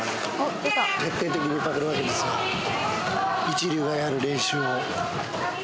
一流がやる練習を。